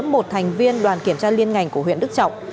một thành viên đoàn kiểm tra liên ngành của huyện đức trọng